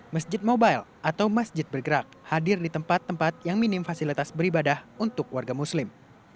masjid mobile atau masjid bergerak hadir di tempat tempat yang minim fasilitas beribadah untuk warga muslim